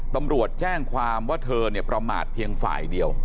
ตำรวจแจ้งความว่าเธอเนี่ยประมาทเพียงฝ่ายเดียว